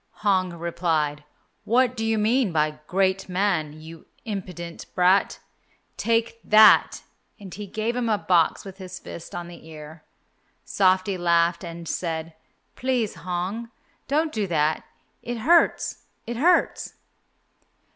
Hong replied, "What do you mean by 'great man,' you impudent brat? Take that," and he gave him a box with his fist on the ear. Softy laughed, and said, "Please, Hong, don't do that, it hurts! it hurts!"